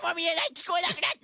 きこえなくなった！